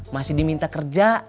masih diminta kerja